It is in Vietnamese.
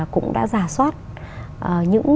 cũng đã giả soát những